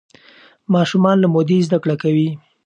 ماشومان له مودې زده کړه کوي.